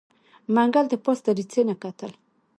منګلي د پاس دريڅې نه کتل.